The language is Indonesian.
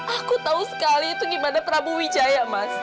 aku tahu sekali itu gimana prabu wijaya mas